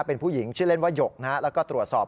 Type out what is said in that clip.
เป็นผู้หญิงชื่อเล่นว่าหยกแล้วก็ตรวจสอบ